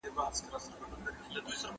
زه اوږده وخت لوبه کوم؟!